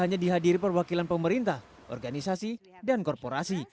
hanya dihadiri perwakilan pemerintah organisasi dan korporasi